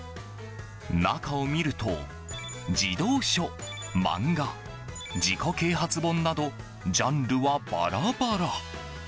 中を見ると、児童書、漫画自己啓発本などジャンルはバラバラ。